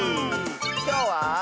きょうは。